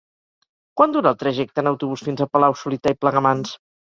Quant dura el trajecte en autobús fins a Palau-solità i Plegamans?